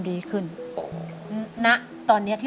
อเรนนี่คือเหตุการณ์เริ่มต้นหลอนช่วงแรกแล้วมีอะไรอีก